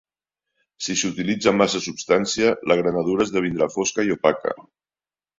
Si s'utilitza massa substància, la granadura esdevindrà fosca i opaca.